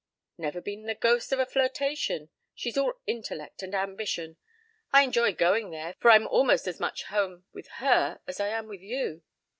"Never been the ghost of a flirtation. She's all intellect and ambition. I enjoy going there for I'm almost as much at home with her as I am with you."